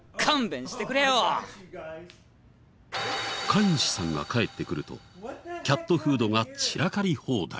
飼い主さんが帰ってくるとキャットフードが散らかり放題。